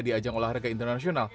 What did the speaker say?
di ajang olahraga internasional